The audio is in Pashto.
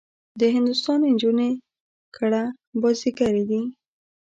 د هندوستان نجونې کړه بازيګرې دي.